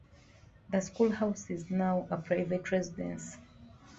The school house is now a private residence.